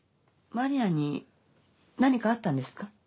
真里菜に何かあったんですか？